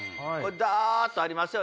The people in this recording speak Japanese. ダっとありますよね。